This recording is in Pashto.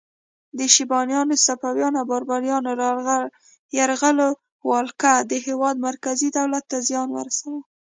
د شیباني، صفوي او بابري یرغلګرو ولکه د هیواد مرکزي دولت ته زیان ورساوه.